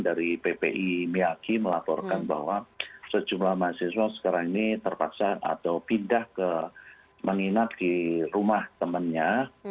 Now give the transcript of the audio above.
dari ppi miyaki melaporkan bahwa sejumlah mahasiswa sekarang ini terpaksa atau pindah ke menginap di rumah temannya